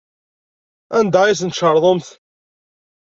Anda ay asen-tcerḍemt?